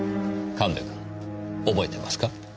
神戸君覚えてますか？